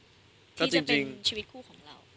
ที่จะเป็นชีวิตคู่ของเรา